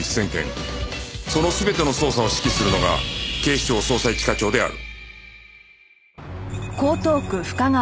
その全ての捜査を指揮するのが警視庁捜査一課長である